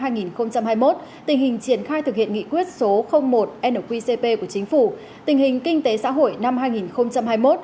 tình hình triển khai thực hiện nghị quyết số một nqcp của chính phủ tình hình kinh tế xã hội năm hai nghìn hai mươi một